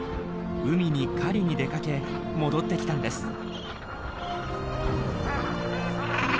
海に狩りに出かけ戻ってきたんです。